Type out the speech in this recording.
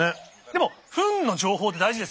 でもフンの情報って大事ですよね。